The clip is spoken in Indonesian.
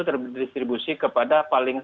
terdistribusi kepada paling